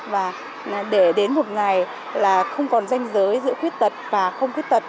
và để đến một ngày là không còn danh giới giữa khuyết tật và không khuyết tật